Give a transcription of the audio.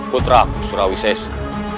putra aku surawi surabaya